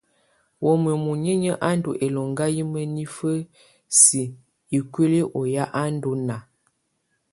Wamɛ̀á muninƴǝ́ á ndù ɛlɔŋga yɛ mǝnifǝ siǝ̀ ikuili ɔ ya á ndù nàá.